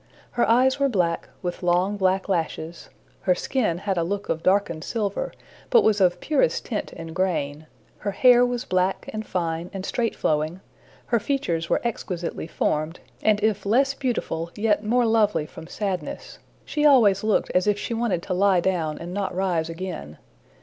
Her eyes were black, with long black lashes; her skin had a look of darkened silver, but was of purest tint and grain; her hair was black and fine and straight flowing; her features were exquisitely formed, and if less beautiful yet more lovely from sadness; she always looked as if she wanted to lie down and not rise again.